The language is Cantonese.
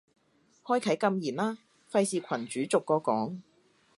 開啟禁言啦，費事群主逐個講